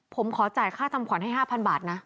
ผมขอจ่ายค่าทำขวัญให้๕๐๐บาทนะ